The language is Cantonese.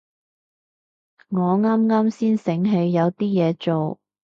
我啱啱先醒起有啲嘢做